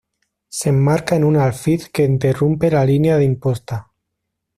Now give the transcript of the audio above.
Se enmarca en un alfiz que interrumpe la línea de imposta.